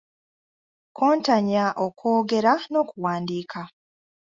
Kontanya okwogera n'okuwandiika.